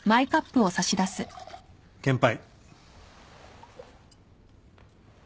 献杯。